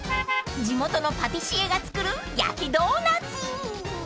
［地元のパティシエが作る焼きドーナツ］